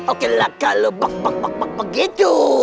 okelah kalo bak bak bak begitu